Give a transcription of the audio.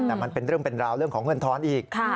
แต่มันเป็นเรื่องเป็นราวเรื่องของเงินทอนอีก